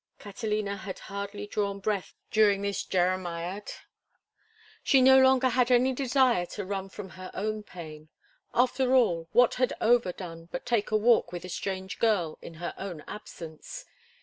Catalina had hardly drawn breath during this jeremiade. She no longer had any desire to run from her own pain. After all, what had Over done but take a walk with a strange girl in her own absence?